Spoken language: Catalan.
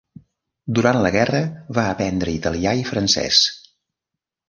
Durant la guerra va aprendre italià i francès.